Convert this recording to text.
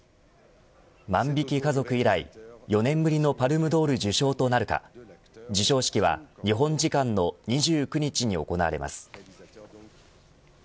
万引き家族以来４年ぶりのパルムドール受賞となるか授賞式は日本時間の２９日に行われます。